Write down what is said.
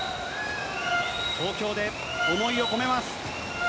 東京で思いを込めます。